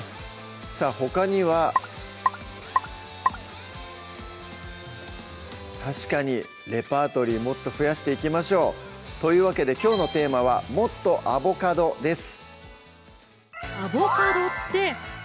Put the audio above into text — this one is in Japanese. さぁほかには確かにレパートリーもっと増やしていきましょうというわけできょうのテーマは「もっとアボカド」です